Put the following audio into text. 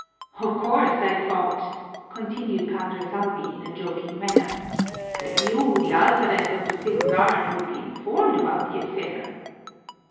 "Of course, I thought," continued Padre Salvi in a joking manner, "that you, the alferez of the Civil Guard, would be informed about the affair."